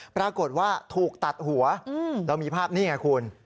ปรากฏว่าถูกตัดหัวเรามีภาพนี่ไงคุณ